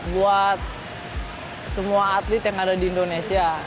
buat semua atlet yang ada di indonesia